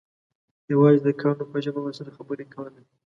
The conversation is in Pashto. یوازې د کاڼو په ژبه ورسره خبرې کولې.